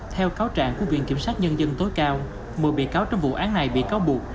theo cáo trạng của viện kiểm sát nhân dân tối cao một mươi bị cáo trong vụ án này bị cáo buộc